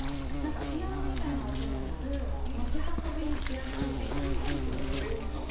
ピアノみたいな音が鳴る持ち運びしやすい小さいやつです。